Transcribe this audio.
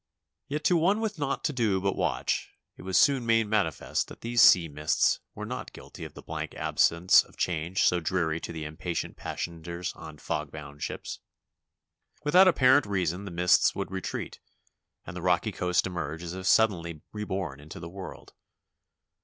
Yet to one with naught to do but watch, it was soon made manifest that these sea mists were not guilty of the blank absence of change so dreary to the impatient passengers on fog bound ships. Without apparent reason the mists would re treat and the rocky coast emerge as if suddenly re born into the world.